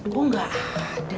kok gak ada